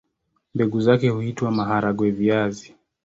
Mbegu zake huitwa maharagwe-viazi.